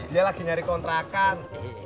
dia lagi nyari kontrakan